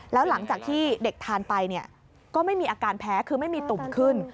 แล้วหลังจากที่เด็กทานไปก็ไม่มีอาการแพ้คือไม่มีตุ่มขึ้น